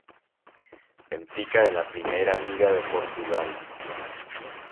Benfica de la Primeira Liga de Portugal.